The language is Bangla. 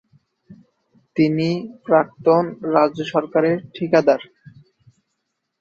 তিনি প্রাক্তন রাজ্য সরকারের ঠিকাদার।